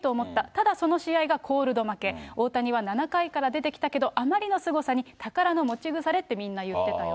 ただその試合がコールド負け、大谷は７回から出てきたけど、あまりのすごさに宝の持ち腐れってみんな言ってたよと。